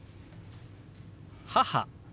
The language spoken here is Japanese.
「母」。